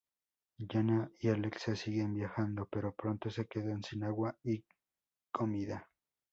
Liana y Alexa siguen viajando, pero pronto se quedan sin agua y comida.